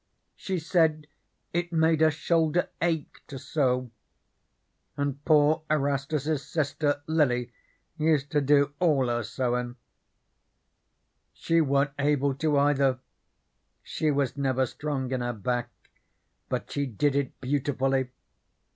She said it made her shoulder ache to sew, and poor Erastus's sister Lily used to do all her sewin'. She wa'n't able to, either; she was never strong in her back, but she did it beautifully.